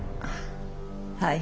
はい。